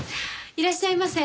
いらっしゃいませ。